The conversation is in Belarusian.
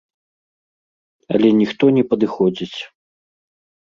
Але ніхто не падыходзіць.